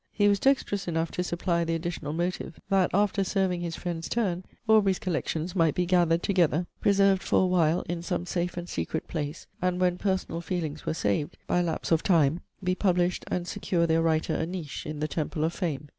He was dexterous enough to supply the additional motive, that, after serving his friend's turn, Aubrey's collections might be gathered together, preserved for a while in some safe and secret place, and, when personal feelings were saved by lapse of time, be published and secure their writer a niche in the Temple of Fame.